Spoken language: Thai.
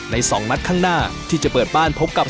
๒นัดข้างหน้าที่จะเปิดบ้านพบกับ